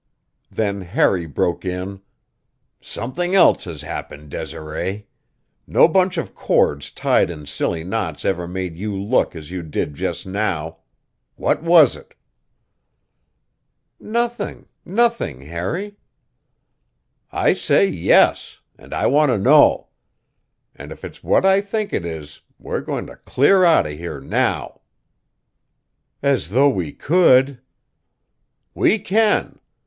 Then Harry broke in: "Something else has happened, Desiree. No bunch of cords tied in silly knots ever made you look as you did just now. What was it?" "Nothing nothing, Harry." "I say yes! And I want to know! And if it's what I think it is we're going to clear out of here now!" "As though we could!" "We can!